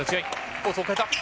コースを変えた。